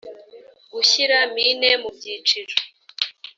gushyira mine mu byiciro